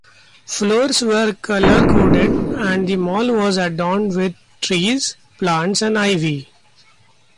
Floors were colour-coded and the mall was adorned with trees, plants and ivy.